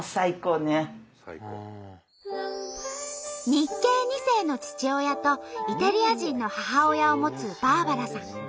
日系２世の父親とイタリア人の母親を持つバーバラさん。